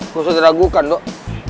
gak usah teragukan dong